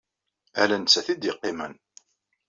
Ala nettat ay d-yeqqimen.